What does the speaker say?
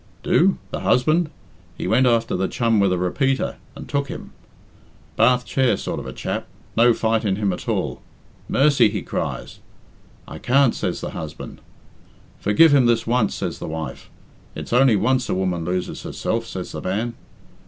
"Do? The husband? He went after the chum with a repeater, and took him. Bath chair sort of a chap no fight in him at all. 'Mercy!' he cries. 'I can't,' says the husband. 'Forgive him this once,' says the wife. 'It's only once a woman loses herself,' says the man.